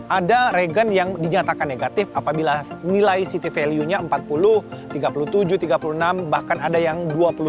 ada regen yang dinyatakan negatif apabila nilai city value nya empat puluh tiga puluh tujuh tiga puluh enam bahkan ada yang dua puluh tujuh